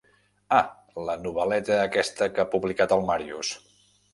Ah, la novel·leta aquesta que ha publicat el Màrius!